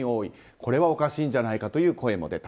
これはおかしいんじゃないかという声も出た。